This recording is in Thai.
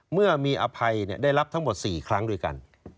เมื่อมีอภัยได้รับทั้งหมด๔ครั้งด้วยกัน